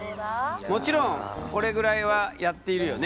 もちろんこれぐらいはやっているよね？